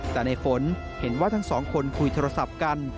แต่ในฝนเห็นว่าทั้งสองคนคุยโทรศัพท์กัน